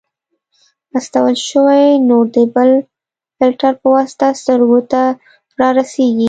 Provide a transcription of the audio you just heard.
استول شوی نور د بل فلټر په واسطه سترګو ته رارسیږي.